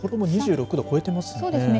札幌も２６度、超えていますね。